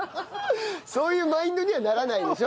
そういうマインドにはならないでしょ